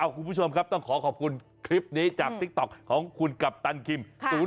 คุณผู้ชมครับต้องขอขอบคุณคลิปนี้จากติ๊กต๊อกของคุณกัปตันคิม